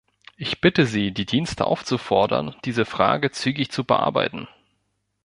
Ich bitte Sie, die Dienste aufzufordern, diese Frage zügig zu bearbeiten.